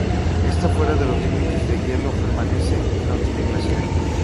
Está fuera de los límites de hielo permanente y no tiene glaciares.